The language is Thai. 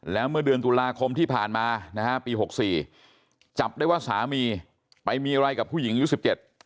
แล้วเมื่อเดือนตุลาคมที่ผ่านมานะฮะปีหกสี่จับได้ว่าสามีไปมีอะไรกับผู้หญิงอายุสิบเจ็ด